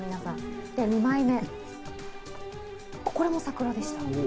では２枚目、これも桜でした。